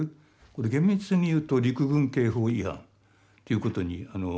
これ厳密にいうと陸軍刑法違反ということに。